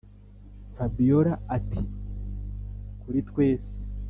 fabiora ati”kuri twese”